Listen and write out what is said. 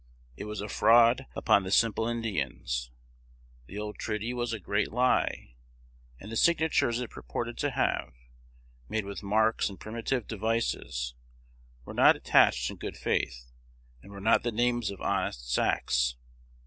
It was a fraud upon the simple Indians: the old treaty was a great lie, and the signatures it purported to have, made with marks and primitive devices, were not attached in good faith, and were not the names of honest Sacs.